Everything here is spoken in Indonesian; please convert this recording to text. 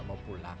tidak mau pulang